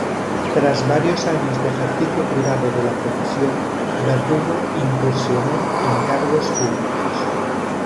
Tras varios años de ejercicio privado de la profesión, Verdugo incursionó en cargos públicos.